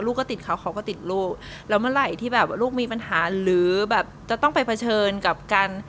ก็ติดเขาเขาก็ติดลูกแล้วเมื่อไหร่ที่แบบว่าลูกมีปัญหาหรือแบบจะต้องไปเผชิญกับการ